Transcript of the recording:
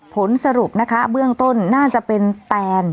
ผลสรุปนะคะเบื้องต้นน่าจะเป็นแตน